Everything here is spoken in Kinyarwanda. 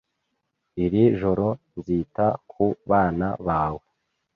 Iri joro nzita ku bana bawe